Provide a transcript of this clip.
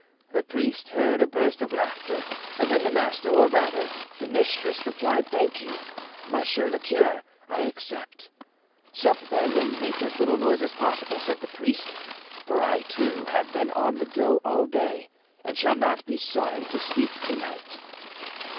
The priest heard a burst of laughter and then the master, or rather, the mistress, replied: 'Thank you, monsieur le curé, I accept.' 'Sup, then, and make as little noise as possible,' said the priest, 'for I, too, have been on the go all day and shall not be sorry to sleep to night.